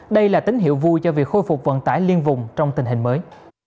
đây là tín hiệu vui cho việc khôi phục vận tải liên vùng trong tình hình mới